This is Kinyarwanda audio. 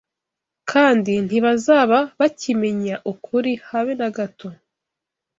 kandi ntibazaba bakimenya ukuri habe nagato.